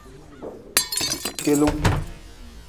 Telung.